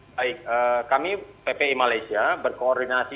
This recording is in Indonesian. baik kami ppi malaysia berkoordinasi